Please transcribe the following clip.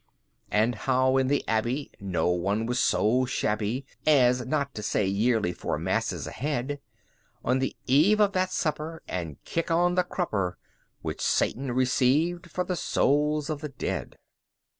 And how, in the Abbey, no one was so shabby As not to say yearly four masses ahead, On the eve of that supper, and kick on the crupper Which Satan received, for the souls of the dead!